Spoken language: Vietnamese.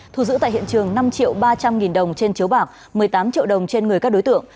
thu giữ tại hiện trường năm ba trăm linh nghìn đồng trên chiếu bạc một mươi tám triệu đồng trên người các đối tượng